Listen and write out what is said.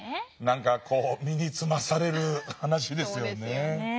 何かこう身につまされる話ですよね。